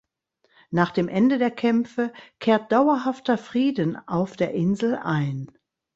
Nach dem Ende der Kämpfe kehrt dauerhafter Frieden auf der Insel ein.